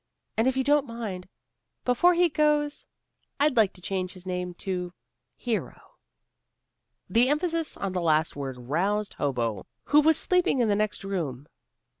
And, if you don't mind, before he goes I'd like to change his name to Hero." The emphasis on the last word roused Hobo, who was sleeping in the next room.